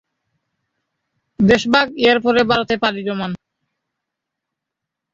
দেশ ভাগ এর পরে ভারতে পাড়ি জমান।